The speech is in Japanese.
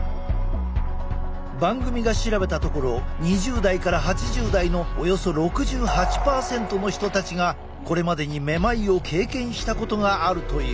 番組が調べたところ２０代から８０代のおよそ６８％の人たちがこれまでにめまいを経験したことがあるという。